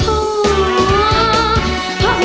พอเวลาเดี๋ยว